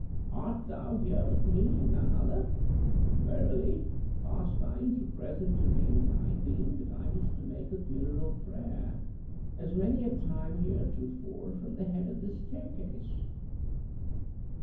"Art thou here with me, and none other? Verily, past times were present to me, and I deemed that I was to make a funeral prayer, as many a time heretofore, from the head of this staircase.